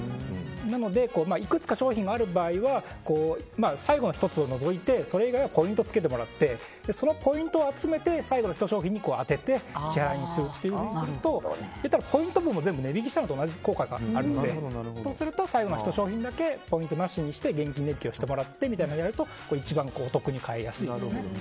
なのでいくつか商品がある場合は最後の１つを除いて、それ以外はポイントをつけてもらってそのポイントを集めて最後の１商品に充てて支払するというふうにするとポイント還元も全部値引きしたのと同じ効果があるのでそうすると最後の商品だけポイントなしで現金値引きをしてもらうとお得に買いやすいですね。